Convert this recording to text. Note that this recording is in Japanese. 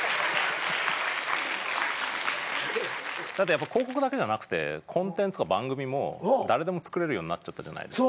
やっぱ広告だけじゃなくてコンテンツとか番組も誰でも作れるようになっちゃったじゃないですか。